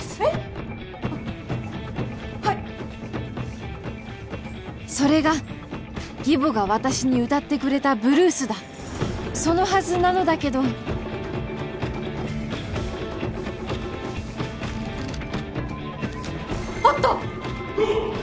あっはいそれが義母が私に歌ってくれたブルースだそのはずなのだけどあった！